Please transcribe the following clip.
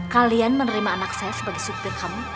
kalian menerima anak saya sebagai supir kamu